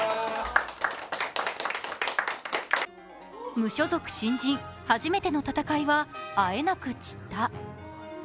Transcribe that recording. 無所属新人、初めての戦いはあえなく散った。